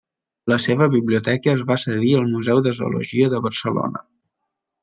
La seva biblioteca es va cedir al Museu de Zoologia de Barcelona.